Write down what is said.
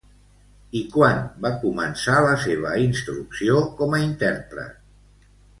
I quan va començar la seva instrucció com a intèrpret?